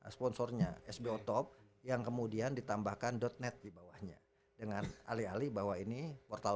sponsornya sbo top yang kemudian ditambahkan net di bawahnya dengan alih alih bahwa ini portal